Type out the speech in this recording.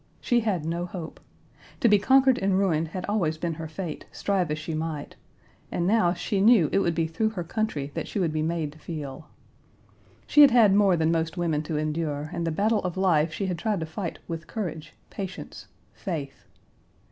She had no hope. To be conquered and ruined had always been her fate, strive as she might, and now she knew it would be through her country that she would be made to feel. She had had more than most women to endure, and the battle of life she had tried to fight with courage, patience, faith.